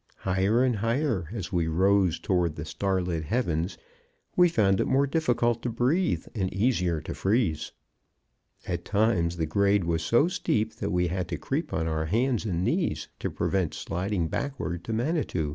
Higher and higher as we rose toward the starlit heavens we found it more difficult to breathe and easier to freeze. At times the grade was so steep that we had to creep on our hands and knees to prevent sliding backward to Manitou.